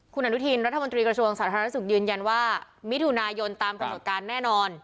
คุณอนุทินรัฐมนตรีกระทรวงสาธารณสุขยืนยันว่ามิถุนายนตามกำหนดการแน่นอน